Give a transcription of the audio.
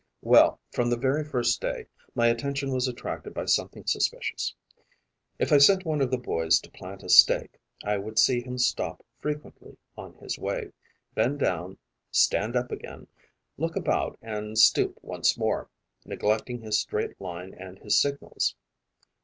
Well, from the very first day, my attention was attracted by something suspicious. If I sent one of the boys to plant a stake, I would see him stop frequently on his way, bend down, stand up again, look about and stoop once more, neglecting his straight line and his signals.